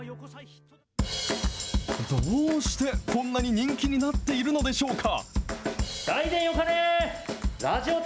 どうしてこんなに人気になっているのでしょうか。